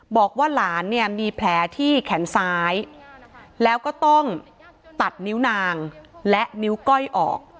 บอกว่าหลานเนี่ยมีแผลที่แขนซ้ายแล้วก็ต้องตัดนิ้วนางและนิ้วก้อยออก